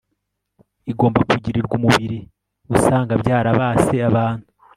igomba kugirirwa umubiri usanga byarabase abantu